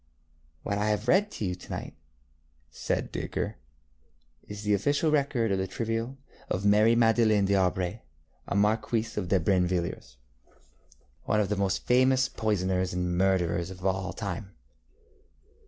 ŌĆØ ŌĆ£What I have read to you to night, ŌĆØ said Dacre, ŌĆ£is the official record of the trial of Marie Madeleine dŌĆÖAubray, Marquise de Brinvilliers, one of the most famous poisoners and murderers of all time.